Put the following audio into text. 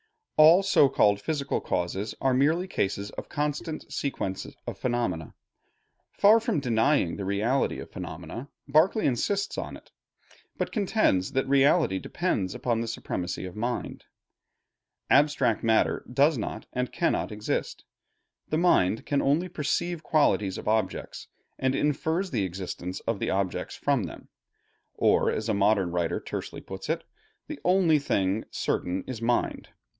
All so called physical causes are merely cases of constant sequence of phenomena. Far from denying the reality of phenomena, Berkeley insists upon it; but contends that reality depends upon the supremacy of mind. Abstract matter does not and cannot exist. The mind can only perceive qualities of objects, and infers the existence of the objects from them; or as a modern writer tersely puts it, "The only thing certain is mind.